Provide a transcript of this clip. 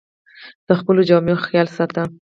د خپلو جامو خیال ساته